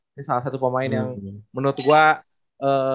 ini salah satu pemain yang menurut gue